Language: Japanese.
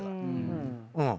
うん。